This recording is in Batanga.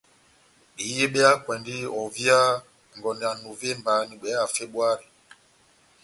Behiye be hakwɛndi ovia ngondɛ ya Novemba n'ibwea ya Febuari.